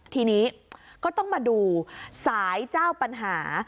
ทีนี้ก็ต้องมาดูสายเจ้าปัญหา